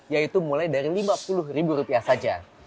yaitu mulai dari rp lima puluh saja